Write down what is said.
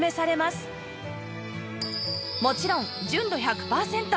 もちろん純度１００パーセント